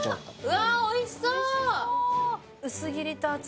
うわ、おいしそう！